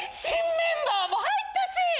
新メンバーも入ったし。